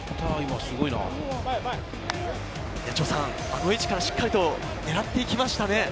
あの位置からしっかり狙ってきましたね。